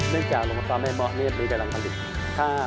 เนื่องจากโรงไฟฟ้าแม่ม้อมีกำลังผลิตค่า